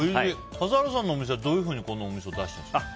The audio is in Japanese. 笠原さんのお店はどういうふうに出してるんですか。